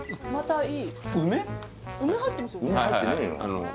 梅入ってますよね？